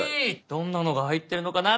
どんなのが入ってるのかな？